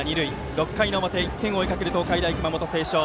６回の表１点を追いかける東海大熊本星翔。